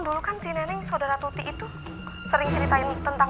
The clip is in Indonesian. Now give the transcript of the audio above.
dulu kan si nenek saudara tuti itu sering ceritain tentang